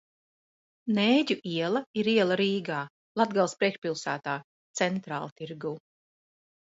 Nēģu iela ir iela Rīgā, Latgales priekšpilsētā, Centrāltirgū.